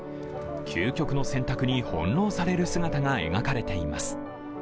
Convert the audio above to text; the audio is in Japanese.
究極の選択に翻弄される姿が描かれています。